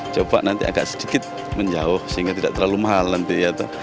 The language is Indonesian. coba nanti agak sedikit menjauh sehingga tidak terlalu mahal nanti ya